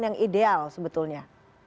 yang ideal sebetulnya